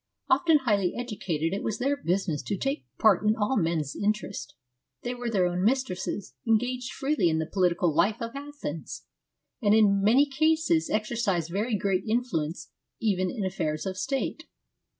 Often highly educated, it was their business to take part in all men's interests : they were their own mistresses, engaged freely in the politi cal life of Athens, and in many cases exercised very great influence even in affairs of state.